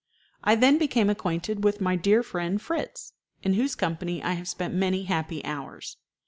I then became acquainted with my dear friend Fritz, in whose company I have spent many happy hours.